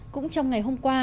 cũng trong ngày hôm qua